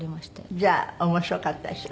じゃあ面白かったでしょ？